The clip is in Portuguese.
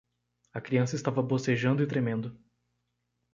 A criança estava bocejando e tremendo.